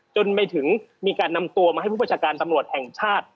จนไปถึงมีการนำตัวมาให้ผู้ประชาการตำรวจแห่งชาติ